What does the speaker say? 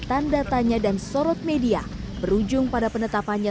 tanda tanya dan sorot media berujung pada penetapannya